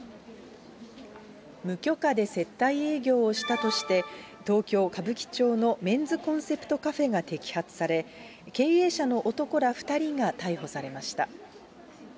無許可で接待営業をしたとして、東京・歌舞伎町のメンズコンセプトカフェが摘発され、経営者の男ら２人が逮捕されました。